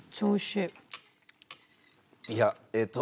いやえっと